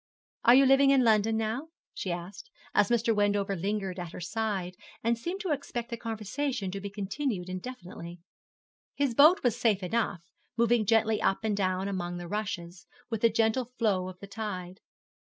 'Are you living in London now?' she asked, as Mr. Wendover lingered at her side, and seemed to expect the conversation to be continued indefinitely. His boat was safe enough, moving gently up and down among the rushes, with the gentle flow of the tide.